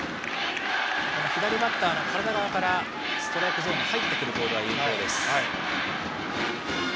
左バッターの体側からストライクゾーンに入ってくるボールは有効です。